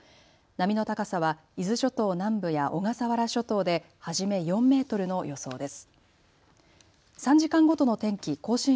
波の高さは伊豆諸島南部や小笠原諸島で初め４メートルの予想です。